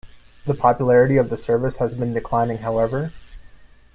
The popularity of the service has been declining, however.